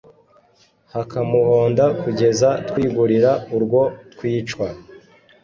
bakamuhonda Kugeza twigurira urwo twicwa